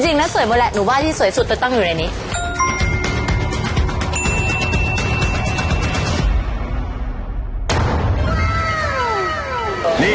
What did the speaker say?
จริงแล้วสวยหมดแหละหนูว่าที่สวยสุดไปตั้งอยู่ในนี้